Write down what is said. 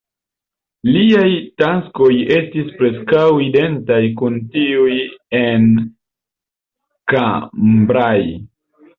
Liaj taskoj estis preskaŭ identaj kun tiuj en Cambrai.